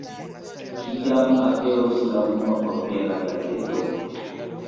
Kiam aperos la unua papera gazeto?